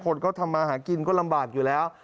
คนก็ทำมาหากินก็ลำบากอยู่แล้ว